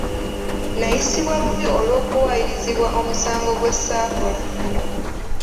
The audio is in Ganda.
Nayisibwa bubi olw’okuwaayirizibwa omusango gwe saakola.